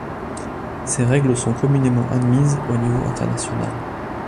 Ces règles sont communément admises au niveau international.